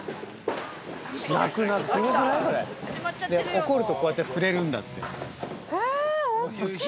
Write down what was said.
怒るとこうやって膨れるんだって。